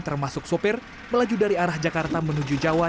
termasuk sopir melaju dari arah jakarta menuju jawa